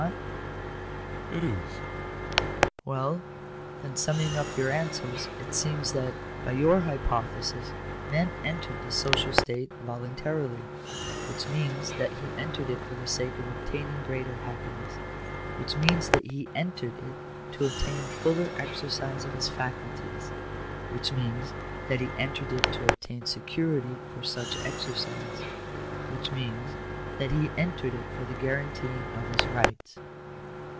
"It is." " Well, then, summing up your answers, it seems that, by your hypothesis, man entered the social state voluntarily; which means that he entered it for the sake of obtaining greater happiness ; which means that he entered it to obtain fuller exercise of his faculties ; which means that he entered it to obtain security for such exercise ; which means that he entered it for the guaranteeing of his ' rights.'